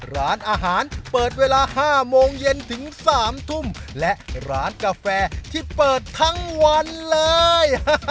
ร้านอาหารเปิดเวลา๕โมงเย็นถึง๓ทุ่มและร้านกาแฟที่เปิดทั้งวันเลย